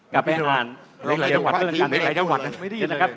กลับไปอ่านเรื่องกัน